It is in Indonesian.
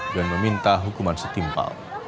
dan meminta hukuman setimpal